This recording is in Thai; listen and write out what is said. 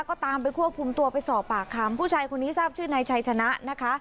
ก็ตามไปควบคุมตัวไปสอบปากคำผู้ชายคนนี้ทราบชื่อนายชัยชนะนะคะ